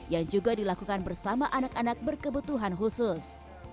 yang juga dilakukan bersama anak anak berkebutuhan khusus